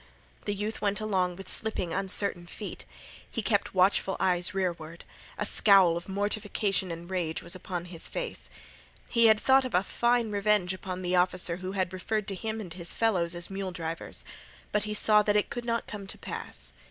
The youth went along with slipping uncertain feet. He kept watchful eyes rearward. A scowl of mortification and rage was upon his face. He had thought of a fine revenge upon the officer who had referred to him and his fellows as mule drivers. But he saw that it could not come to pass.